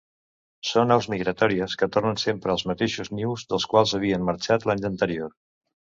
Són aus migratòries que tornen sempre als mateixos nius dels quals havien marxat l'any anterior.